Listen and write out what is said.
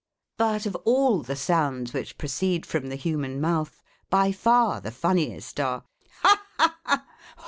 But of all the sounds which proceed from the human mouth, by far the funniest are Ha! ha! ha!